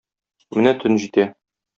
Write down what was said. Менә төн җитә.